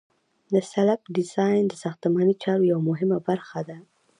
د سلب ډیزاین د ساختماني چارو یوه مهمه برخه ده